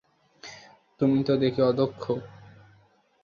তুমি তো দেখি অদক্ষ।